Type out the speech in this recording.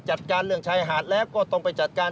จัดการเรื่องชายหาดแล้วก็ต้องไปจัดการ